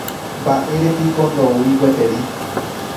Mba'érepiko ndoúi gueteri.